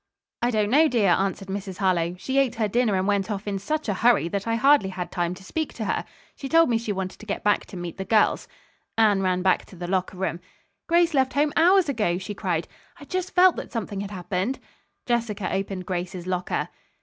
"I don't know, dear," answered Mrs. Harlowe "She ate her dinner and went off in such a hurry that I hardly had time to speak to her. She told me she wanted to get back to meet the girls." Anne ran back to the locker room. "Grace left home hours ago," she cried. "I just felt that something had happened." Jessica opened Grace's locker.